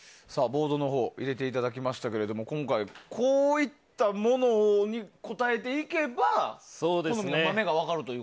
ボードのほう入れていただきましたけども今回、こういったものに答えていけば好みの豆が分かると。